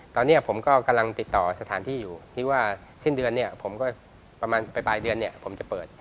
ตอนนี้ผมก็กำลังติดต่อสถานที่อยู่ที่ว่าสิ้นเดือนเนี่ยผมก็ประมาณปลายเดือนเนี่ยผมจะเปิด